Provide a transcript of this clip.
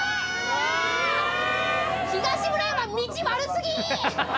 東村山道悪すぎ！